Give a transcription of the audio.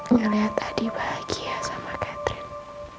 ngeliat adi bahagia sama catherine